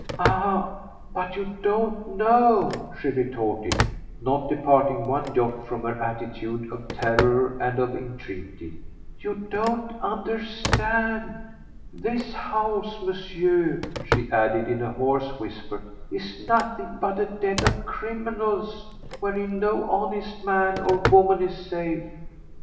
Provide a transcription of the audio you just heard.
"Ah, but you don't know," she retorted, not departing one jot from her attitude of terror and of entreaty, "you don't understand. This house, Monsieur," she added in a hoarse whisper, "is nothing but a den of criminals wherein no honest man or woman is safe."